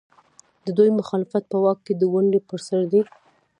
د دوی مخالفت په واک کې د ونډې پر سر دی.